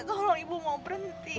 tolong ibu mau berhenti